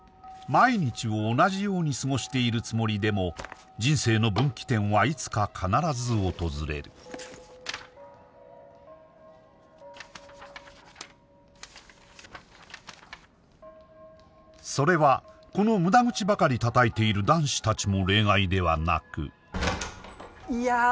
毎日を同じように過ごしているつもりでも人生の分岐点はいつか必ず訪れるそれはこの無駄口ばかりたたいている男子たちも例外ではなくいやー